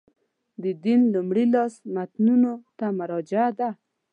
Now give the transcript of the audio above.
د دین لومړي لاس متنونو ته مراجعه ده.